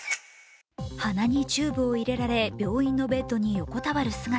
鼻にチューブを入れられ、病院のベッドに横たわる姿。